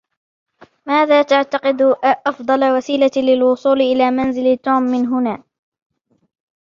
ماذا تعتقد أفضل وسيلة للوصول إلى منزل توم من هنا؟